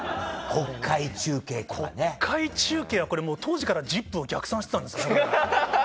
国会中継はこれもう当時から『ＺＩＰ！』を逆算してたんですかね。